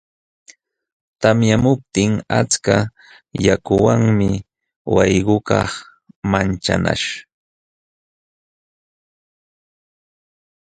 Tamyamuptin achka yakuwanmi wayqukaq manchanaśh.